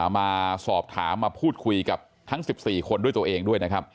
มาสอบถามมาพูดคุยกับทั้ง๑๔คนด้วยตัวเองด้วยนะครับ